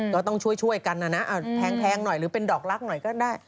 ก็ต้องช่วยกันนะนะแพงหน่อยหรือเป็นดอกลักษณ์หน่อยก็ได้